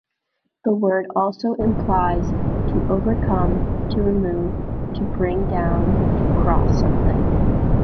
The word also implies "to overcome, to remove, to bring down, to cross something".